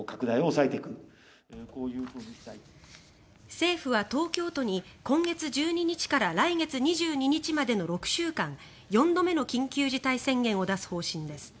政府は東京都に今月１２日から来月２２日までの６週間４度目の緊急事態宣言を出す方針です。